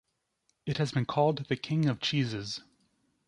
It has been called the "King of Cheeses".